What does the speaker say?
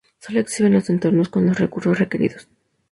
Solo exhiben los entornos con los recursos requeridos.